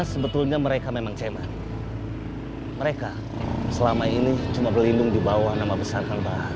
sebetulnya mereka memang cema mereka selama ini cuma berlindung di bawah nama besar